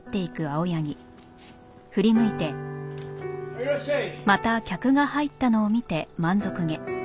いらっしゃい。